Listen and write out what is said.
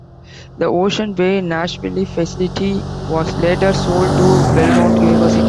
The Ocean Way Nashville facility was later sold to Belmont University.